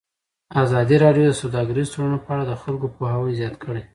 ازادي راډیو د سوداګریز تړونونه په اړه د خلکو پوهاوی زیات کړی.